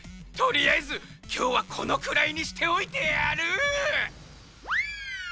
とりあえずきょうはこのくらいにしておいてやる！